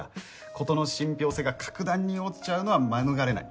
事の信ぴょう性が格段に落ちちゃうのは免れない。